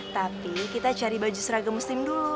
tapi kita cari baju seragam muslim dulu